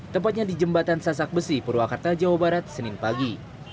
tepatnya di jembatan sasak besi purwakarta jawa barat senin pagi